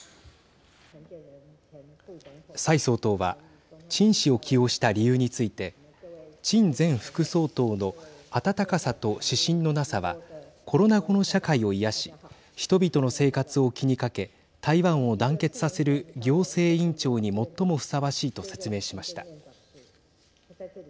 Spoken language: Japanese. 蔡総統は陳氏を起用した理由について陳前副総統の温かさと私心のなさはコロナ後の社会を癒やし人々の生活を気にかけ台湾を団結させる行政院長に最もふさわしいと説明しました。